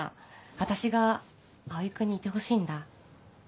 私が蒼君にいてほしいんだ。